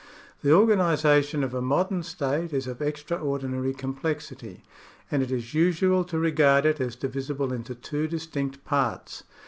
The organisation of a modern state is of extraordinary complexity, and it is usual to regard it as divisible into two distinct parts.